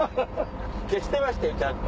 してましたよちゃんと。